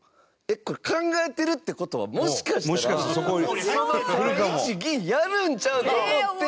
これ、考えてるって事はもしかしたら３一銀やるんちゃうと思って。